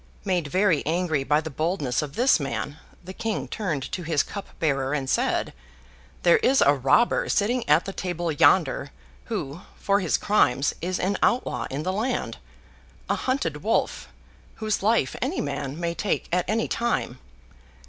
Made very angry by the boldness of this man, the King turned to his cup bearer, and said, 'There is a robber sitting at the table yonder, who, for his crimes, is an outlaw in the land—a hunted wolf, whose life any man may take, at any time.